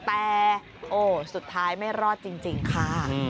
แต่โอ้สุดท้ายไม่รอดจริงค่ะ